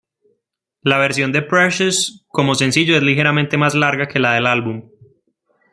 La versión de "Precious" como sencillo es ligeramente más larga que la del álbum.